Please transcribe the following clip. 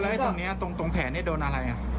อะไรกันตรงนี้ตรงแผนเนี่ยโดนไร